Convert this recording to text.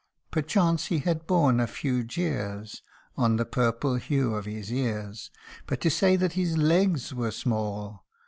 Perchance he had borne a few jeers On the purple hue of his ears, But to say that his legs were small